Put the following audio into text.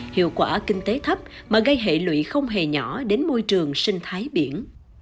hiệu quả kinh tế thấp mà gây hệ lụy không hề nhỏ đến môi trường sinh thái biển